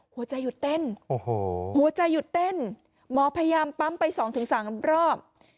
หัวใจหยุดเต้นหัวใจหยุดเต้นหมอพยายามปั๊มไป๒๓รอบ